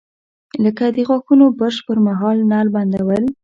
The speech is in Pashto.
لکه د غاښونو برش پر مهال نل بندول.